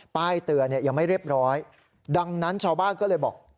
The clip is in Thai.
ป้ายเตือนยังไม่เรียบร้อยดังนั้นชาวบ้านก็เลยบอก